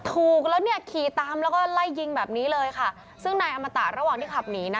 ถูกแล้วเนี่ยขี่ตามแล้วก็ไล่ยิงแบบนี้เลยค่ะซึ่งนายอมตะระหว่างที่ขับหนีนะ